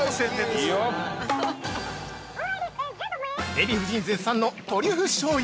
◆デヴィ夫人絶賛のトリュフしょうゆ。